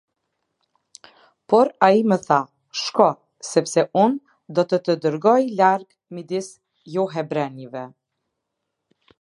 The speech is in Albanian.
Por ai më tha: "Shko, sepse unë do të të dërgoj larg midis johebrenjve.